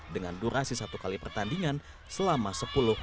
dengan durasi satu kali pertandingan selama sepuluh sampai dua belas menit